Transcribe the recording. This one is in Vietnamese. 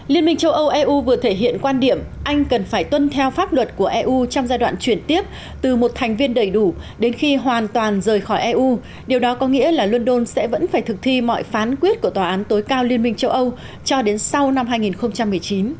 liên minh châu âu eu vừa thể hiện quan điểm anh cần phải tuân theo pháp luật của eu trong giai đoạn chuyển tiếp từ một thành viên đầy đủ đến khi hoàn toàn rời khỏi eu điều đó có nghĩa là london sẽ vẫn phải thực thi mọi phán quyết của tòa án tối cao liên minh châu âu cho đến sau năm hai nghìn một mươi chín